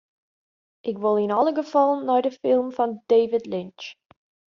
Ik wol yn alle gefallen nei dy film fan David Lynch.